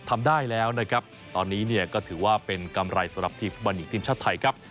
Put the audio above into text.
ทำได้แล้วนะครับตอนนี้เนี่ยก็ถือว่าเป็นกำไรสำหรับทีมฟุตบอลหญิงทีมชาติไทยครับ